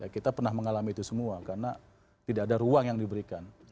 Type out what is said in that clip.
kita pernah mengalami itu semua karena tidak ada ruang yang diberikan